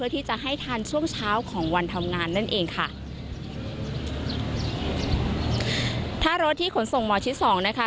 ท่ารถที่ขนส่งหมอทิศ๒นะคะ